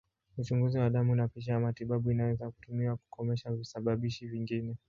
Uchunguzi wa damu na picha ya matibabu inaweza kutumiwa kukomesha visababishi vingine.